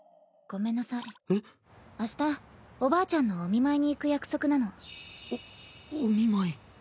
明日おばあちゃんのお見舞いに行く約束なの。おお見舞い。